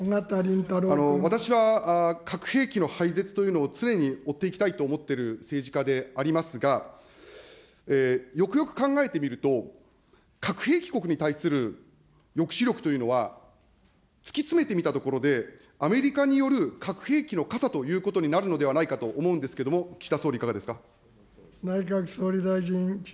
私は、核兵器の廃絶というのを常に追っていきたいと思っている政治家でありますが、よくよく考えてみると、核兵器国に対する抑止力というのは、突き詰めてみたところで、アメリカによる核兵器の傘ということになるのではないかと思うんですけども、岸田総理、いかがですか。